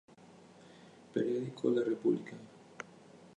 Periódico La República